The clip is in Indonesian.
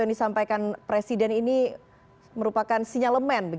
yang disampaikan presiden ini merupakan sinyalemen